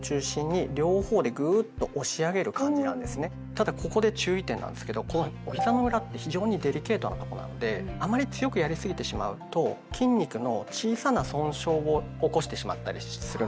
ただここで注意点なんですけどひざの裏って非常にデリケートなとこなのであまり強くやりすぎてしまうと筋肉の小さな損傷を起こしてしまったりするんですね。